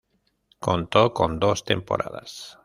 Contó con dos temporadas.